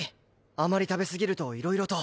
あまり食べすぎるといろいろと。